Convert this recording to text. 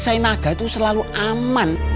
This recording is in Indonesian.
sainaga itu selalu aman